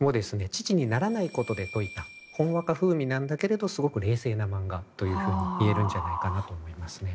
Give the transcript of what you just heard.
父にならないことで解いたほんわか風味なんだけれどすごく冷静な漫画というふうに言えるんじゃないかなと思いますね。